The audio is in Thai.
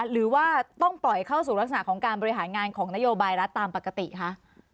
หรือว่าต้องปล่อยเข้าสู่ลักษณะของการบริหารงานของนโยบายรัฐตามปกติคะ